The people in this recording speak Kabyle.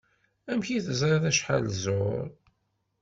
Amek i teẓriḍ acḥal zur?